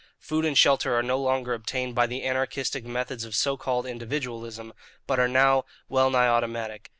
Food and shelter are no longer obtained by the anarchistic methods of so called individualism but are now wellnigh automatic.